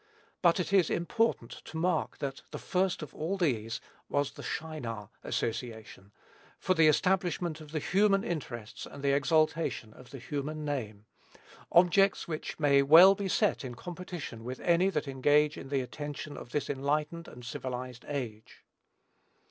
But it is important to mark that the first of all these was the Shinar association, for the establishment of the human interests, and the exaltation of the human name, objects which may well be set in competition with any that engage the attention of this enlightened and civilized age.